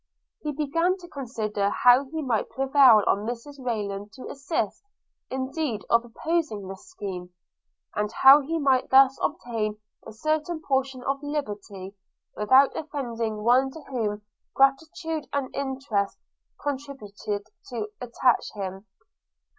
He began to consider how he might prevail on Mrs Rayland to assist, instead of opposing this scheme; and how he might thus obtain a certain portion of liberty, without offending one to whom gratitude and interest contributed to attach him.